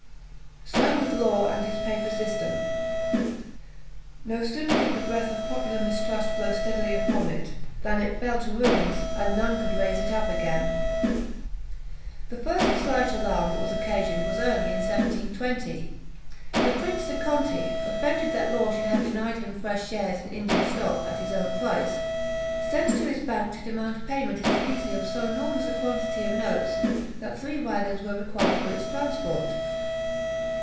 So with Law and his paper system. No sooner did the breath of popular mistrust blow steadily upon it, than it fell to ruins, and none could raise it up again. The first slight alarm that was occasioned was early in 1720. The Prince de Conti, offended that Law should have denied him fresh shares in India stock, at his own price, sent to his bank to demand payment in specie of so enormous a quantity of notes, that three wagons were required for its transport.